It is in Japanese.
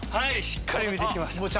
しっかり見て来ました。